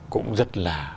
cũng rất là